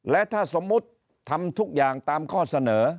และถ้าสมมุติทำทุกอย่างตามข้อเสนอ